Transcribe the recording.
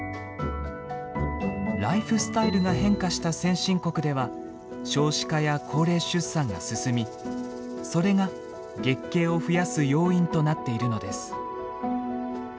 ライフスタイルが変化した先進国では少子化や高齢出産が進みそれが月経を増やす要因となっているのです。